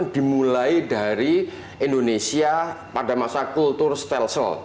dimulai dari indonesia pada masa kultur stelsel